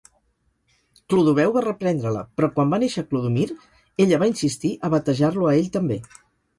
Clodoveu va reprendre-la; però quan va néixer Clodomir, ella va insistir a batejar-lo a ell també.